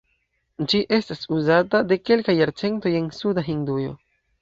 Ĝi estas uzata de kelkaj jarcentoj en suda Hindujo.